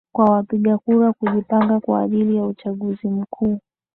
kwa wapiga kura kujipanga kwa ajili ya uchaguzi mkuu